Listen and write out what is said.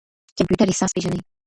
کمپيوټر احساس پېژني.